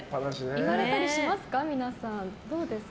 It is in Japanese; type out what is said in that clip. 言われたりしますか、皆さん。